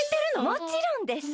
もちろんです。